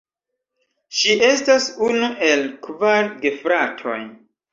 Ŝi estas unu el kvar gefratoj.